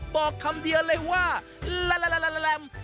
บอกคำเดียวเลยว่าลาม